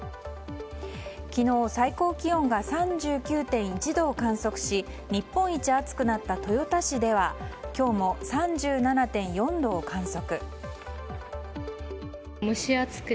昨日、最高気温が３９．１度を観測し日本一暑くなった豊田市では今日も３７．４度を観測。